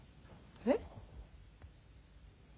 えっ？